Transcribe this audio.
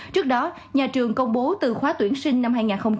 trước đó nhà trường công bố từ khóa tuyển sinh năm hai nghìn hai mươi